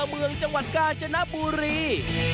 เมืองจังหวัดกาญจนบุรี